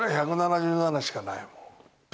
１７７しかないもん。